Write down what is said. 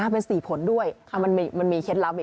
เป็น๔ผลด้วยมันมีเคล็ดลับอีก